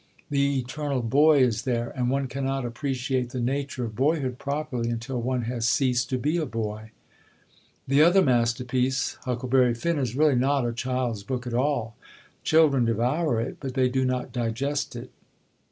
The eternal Boy is there, and one cannot appreciate the nature of boyhood properly until one has ceased to be a boy. The other masterpiece, Huckleberry Finn, is really not a child's book at all. Children devour it, but they do not digest it.